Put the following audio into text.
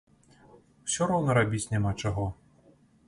Усё роўна рабіць няма чаго.